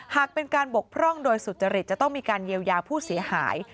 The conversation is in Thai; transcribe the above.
หากเป็นการบกพร่องโดยสุจริตจะต้องมีการเยียวยาผู้เสียหาย